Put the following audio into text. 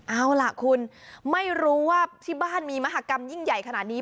เอาล่ะคุณไม่รู้ว่าที่บ้านมีมหากรรมยิ่งใหญ่ขนาดนี้